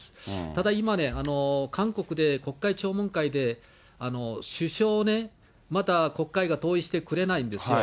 ただ今ね、韓国で国会聴聞会で首相をまた国会が同意してくれないんですよ。